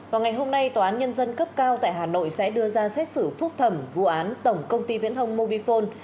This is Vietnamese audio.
vào ngày hôm nay tòa án nhân dân cấp cao tại hà nội sẽ đưa ra xét xử phúc thẩm vụ án tổng công ty viễn thông mobifone